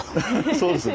そうですね。